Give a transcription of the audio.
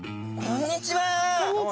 こんにちは。